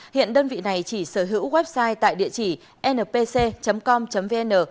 hiện đơn vị này chỉ sở hữu website tại địa chỉ npc com vn